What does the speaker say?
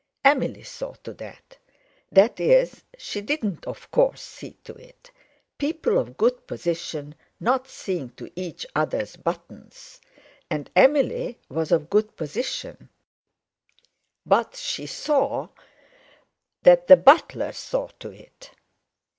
Emily saw to that; that is, she did not, of course, see to it—people of good position not seeing to each other's buttons, and Emily was of good position—but she saw that the butler saw to it.